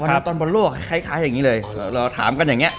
วันนั้นตอนบนโลกคล้ายอย่างนี้เลย